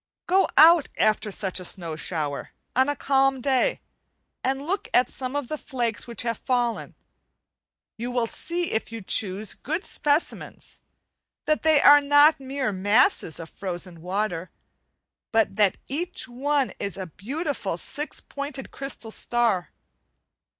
Go out after such a snow shower, on a calm day, and look at some of the flakes which have fallen; you will see, if you choose good specimens, that they are not mere masses of frozen water, but that each one is a beautiful six pointed crystal star.